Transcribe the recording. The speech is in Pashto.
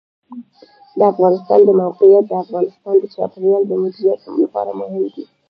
د افغانستان د موقعیت د افغانستان د چاپیریال د مدیریت لپاره مهم دي.